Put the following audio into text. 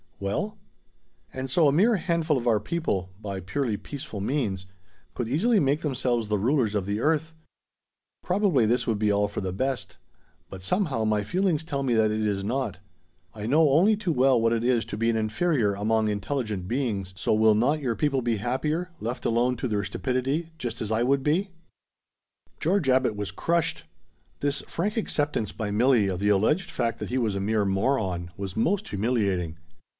"Well?" "And so a mere handful of our people, by purely peaceful means, could easily make themselves the rulers of the earth. Probably this would be all for the best; but somehow, my feelings tell me that it is not. I know only too well what it is to be an inferior among intelligent beings; so will not your people be happier, left alone to their stupidity, just as I would be?" George Abbot was crushed. This frank acceptance by Milli of the alleged fact that he was a mere moron, was most humiliating.